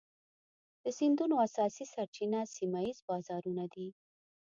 د سیندونو اساسي سرچینه سیمه ایز بارانونه دي.